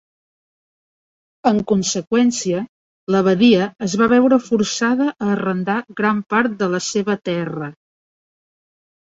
En conseqüència, l'abadia es va veure forçada a arrendar gran part de la seva terra.